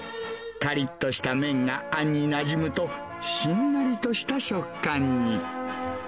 かりっとした麺があんになじむと、しんなりとした食感に。